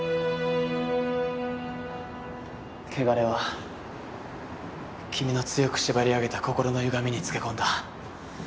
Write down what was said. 穢れは君の強く縛り上げた心のゆがみにつけ込んだ